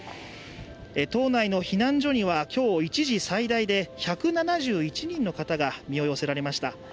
島内の避難所には今日、一時最大で１７１人の方が身を寄せられました。